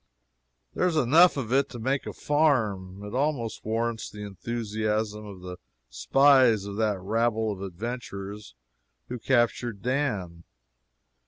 There is enough of it to make a farm. It almost warrants the enthusiasm of the spies of that rabble of adventurers who captured Dan.